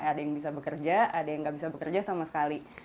ada yang bisa bekerja ada yang nggak bisa bekerja sama sekali